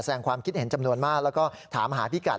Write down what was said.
แสดงความคิดเห็นจำนวนมากแล้วก็ถามหาพี่กัด